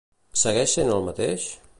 Segueix sent el mateix?